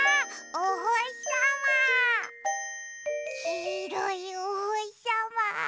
きいろいおほしさま。